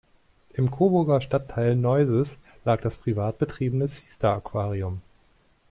Im Coburger Stadtteil Neuses lag das privat betriebene "Sea Star Aquarium".